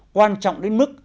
quan trọng đến mức